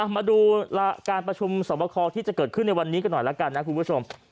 มาดูการประชุมสอบคอที่จะเกิดขึ้นในวันนี้กันหน่อยแล้วกันนะคุณผู้ชม